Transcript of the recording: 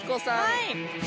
はい！